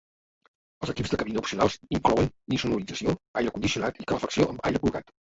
Els equips de cabina opcionals inclouen insonorització, aire condicionat i calefacció amb aire purgat.